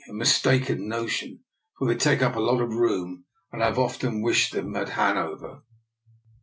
A mistaken notion, for they take up a lot of room, and I've often wished them at Hanover."